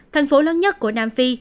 thành phố lớn nhất của nam phi